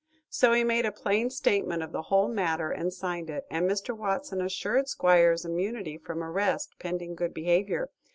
So he made a plain statement of the whole matter and signed it, and Mr. Watson assured Squiers immunity from arrest, pending good behavior.